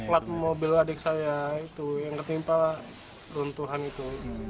lat mobil adik saya itu yang ketimpa longsoran itu